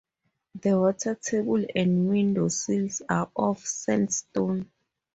The water table and window sills are of sandstone.